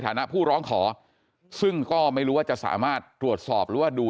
นะผู้ร้องขอซึ่งก็ไม่รู้ว่าจะสามารถตรวจสอบหรือว่าดู